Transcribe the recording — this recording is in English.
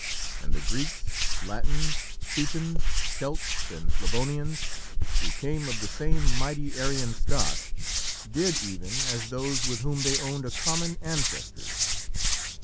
And the Greeks, Latins, Teutons, Celts, and Slavonians, who came of the same mighty Aryan stock, did even as those with whom they owned a common ancestry.